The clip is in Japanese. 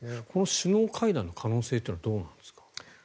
首脳会談の可能性というのはどうなんですか？